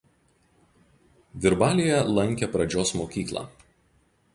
Virbalyje lankė pradžios mokyklą.